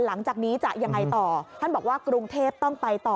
หลังจากนี้จะยังไงต่อท่านบอกว่ากรุงเทพต้องไปต่อ